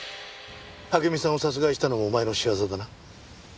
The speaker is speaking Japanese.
暁美さんを殺害したのもお前の仕業だな？